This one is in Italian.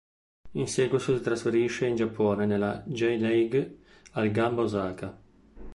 In seguito si trasferisce in Giappone, nella J-League al Gamba Osaka.